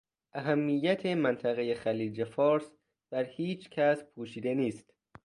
اهمیت منطقهٔ خلیج فارس بر هیچ کس پوشیده نیست.